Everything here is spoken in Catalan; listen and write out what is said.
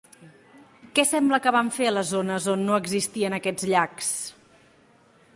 Què sembla que van fer a les zones on no existien aquests llacs?